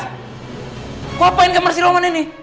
kau ngapain kemar si roman ini